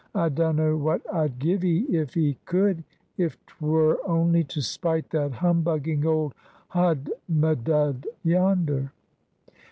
I dunno what I'd give 'ee if 'ee could, if 'twere only to spite that humbugging old hudmedud yonder."